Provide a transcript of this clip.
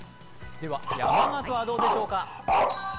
では山形はどうでしょうか。